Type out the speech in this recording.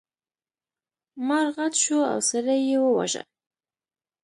مار غټ شو او سړی یې وواژه.